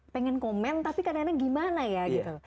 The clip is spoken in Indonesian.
pengen komen tapi kadang kadang gimana ya gitu